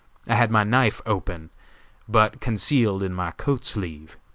I had my knife open, but concealed in my coat sleeve.